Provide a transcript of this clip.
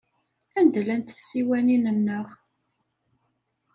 Anda llant tsiwanin-nneɣ?